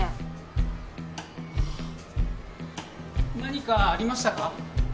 何かありましたか？